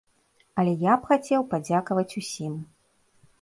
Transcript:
Але я б хацеў падзякаваць усім.